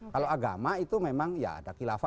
kalau agama itu memang ya ada kilafah